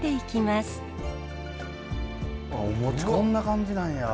あっお餅こんな感じなんや。